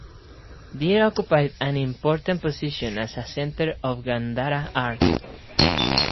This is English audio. Dir occupied an important position as a centre of Gandhara Art.